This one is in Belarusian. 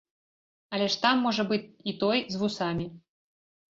Але ж там можа быць і той, з вусамі.